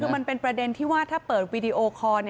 คือมันเป็นประเด็นที่ว่าถ้าเปิดวีดีโอคอร์